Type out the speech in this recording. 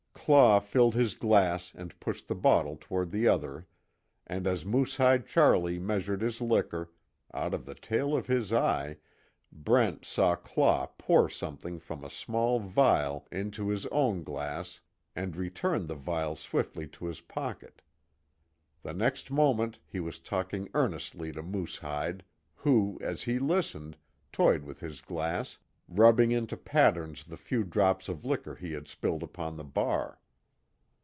Claw filled his glass and pushed the bottle toward the other and as Moosehide Charlie measured his liquor, out of the tail of his eye, Brent saw Claw pour something from a small vial into his own glass and return the vial swiftly to his pocket. The next moment he was talking earnestly to Moosehide who, as he listened, toyed with his glass, rubbing into patterns the few drops of liquor he had spilled upon the bar.